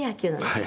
はい。